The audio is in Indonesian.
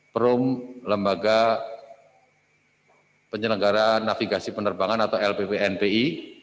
perum lembaga penyelenggara navigasi penerbangan atau lppnpi